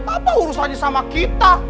apa urusannya sama kita